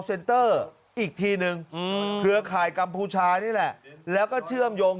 อีกทีนึงเครือข่ายกัมพูชานี่แหละแล้วก็เชื่อมโยง